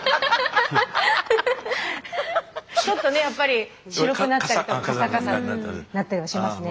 ちょっとねやっぱり白くなったりなったりはしますね。